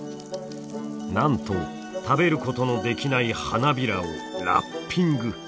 なんと食べることのできない花びらをラッピング。